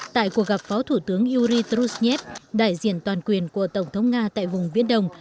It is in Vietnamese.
tại cuộc gặp phó thủ tướng yuri drushnev đại diện toàn quyền của tổng thống nga tại vùng viễn đông